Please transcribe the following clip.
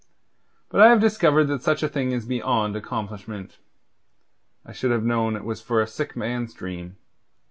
But I have discovered that such a thing is beyond accomplishment. I should have known it for a sick man's dream.